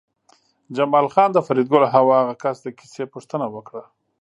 جمال خان د فریدګل او هغه کس د کیسې پوښتنه وکړه